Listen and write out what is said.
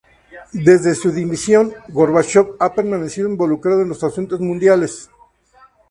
Desde su dimisión, Gorbachov ha permanecido involucrado en los asuntos mundiales.